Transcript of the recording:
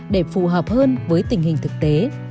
để phù hợp hơn với tình hình thực tế